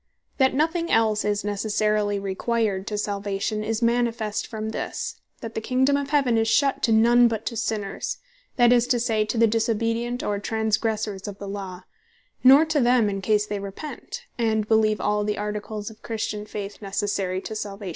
That nothing else is Necessarily required to Salvation, is manifest from this, that the Kingdome of Heaven, is shut to none but to Sinners; that is to say, to the disobedient, or transgressors of the Law; nor to them, in case they Repent, and Beleeve all the Articles of Christian Faith, Necessary to Salvation.